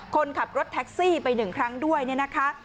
คนขับรถแท็กซี่ไป๑ครั้งด้วยเนี่ยนะคะ